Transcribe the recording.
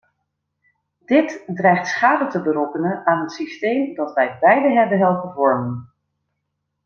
Dit dreigt schade te berokkenen aan het systeem dat wij beiden hebben helpen vormen.